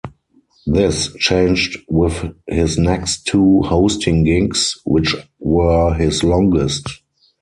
This changed with his next two hosting gigs, which were his longest.